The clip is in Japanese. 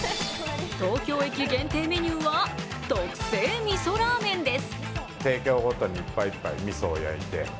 東京駅限定メニューは特製味噌ラーメンです。